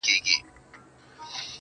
جانه ځان دي ټوله پکي وخوړ